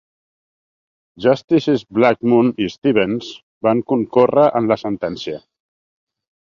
Justices Blackmun i Stevens van concórrer en la sentència.